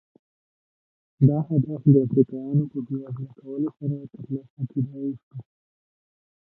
دا هدف د افریقایانو په بېوزله کولو سره ترلاسه کېدای شو.